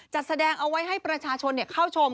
จัดแสดงเอาไว้ให้ประชาชนเข้าชม